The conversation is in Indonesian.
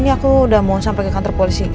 ini aku udah mohon sampai ke kantor polisi